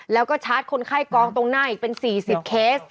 แล้วก็ชาร์จคนไข้กองตรงหน้าอีกเป็น๔๐เคส